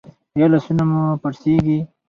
ایا لاسونه مو پړسیږي؟